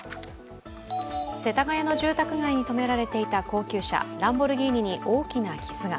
世田谷の住宅街にとめられていた高級車、ランボルギーニに大きな傷が。